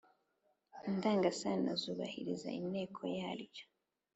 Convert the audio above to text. indangasano zubahiriza inteko yaryo,